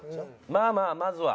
まあまあまずは。